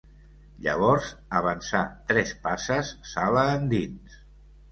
Llavors avançà tres passes sala endins.